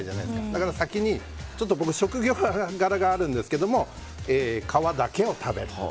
だから、先に僕は職業柄があるんですけど皮だけを食べると。